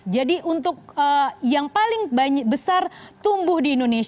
jadi untuk yang paling besar tumbuh di indonesia